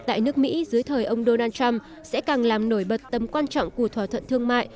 tại nước mỹ dưới thời ông donald trump sẽ càng làm nổi bật tầm quan trọng của thỏa thuận thương mại